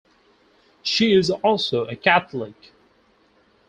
She is also a Catholic.